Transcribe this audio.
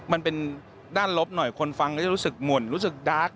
มันเป็นด้านลบหน่อยคนฟังก็จะรู้สึกหม่นรู้สึกดาร์ก